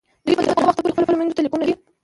دوی به تر هغه وخته پورې خپلو میندو ته لیکونه لیکي.